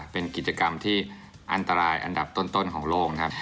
เป็นกิจกรรมที่อันตรายอันดับต้นของโลกนะครับ